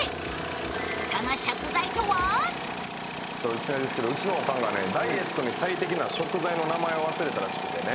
いきなりですけど、うちのおかんがダイエットに最適な食材の名前を忘れたみたいでね。